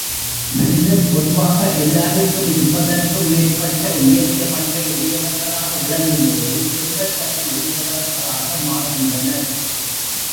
மனிதர் பொதுவாக எல்லாருக்கும் இருப்பதற்கும் மேற்பட்ட உயரிய பண்பை உடையவர்களாக விளங்கும்போது தெய்வத்தன்மை உடையவர்களாக மாறுகின்றனர்.